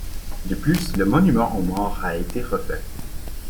De plus le monument aux morts a été refait.